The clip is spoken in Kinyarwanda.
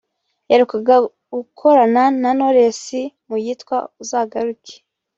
yaherukaga gukorana na Knowless mu yitwa "Uzagaruke"